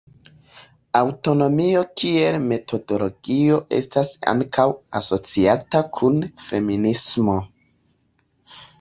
Aŭtonomio kiel metodologio estas ankaŭ asociata kun feminismo.